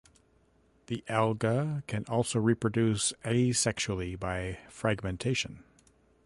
The alga can also reproduce asexually by fragmentation.